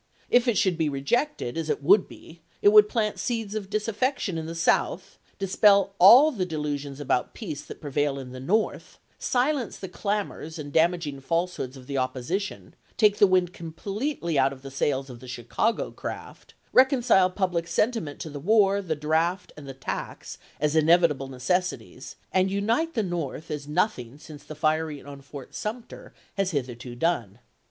If it should be rejected (as it would be), it would plant seeds of disaf fection in the South, dispel all the delusions about peace that prevail in the North, silence the clamors and damag ing falsehoods of the opposition, take the wind completely out of the sails of the Chicago craft, reconcile public sen timent to the war, the draft, and the tax as inevitable necessities, and unite the North as nothing since the fir ing on Fort Sumter has hitherto done.